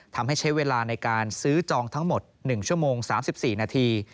ทำให้ใช้เวลาในการซื้อจองทั้งหมด๑ชั่วโมง๓๔นาที